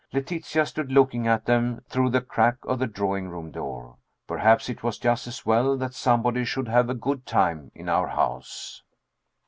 Letitia stood looking at them through the crack of the drawing room door. Perhaps it was just as well that somebody should have a good time in our house.